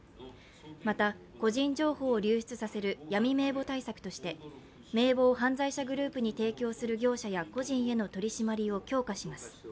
また、個人情報を流出される闇名簿対策として名簿を犯罪者グループに提供する業者や個人への取り締まりを強化します。